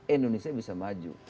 indonesia bisa maju